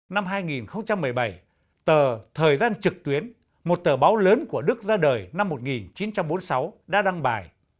năm hai nghìn một mươi bảy tờ thời gian trực tuyến một tờ báo lớn của đức ra đời năm một nghìn chín trăm bốn mươi sáu đã đăng bài